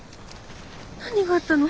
何があったの？